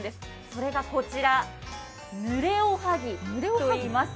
それがこちら、ぬれおはぎといいます。